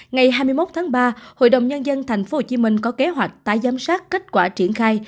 ngày hai mươi một tháng ba hội đồng nhân dân tp hcm có kế hoạch tái giám sát kết quả triển khai